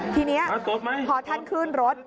ทีนี้พอท่านขึ้นรถ